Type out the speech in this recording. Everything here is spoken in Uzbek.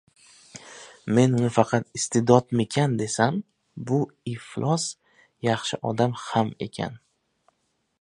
— Men uni faqat iste’dodmikan desam, bu iflos yaxshi odam ham ekan!"